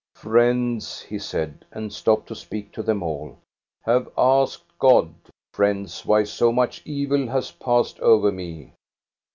" Friends," he said, and stopped to speak to them all, " have asked God, friends, why so much evil has passed over me."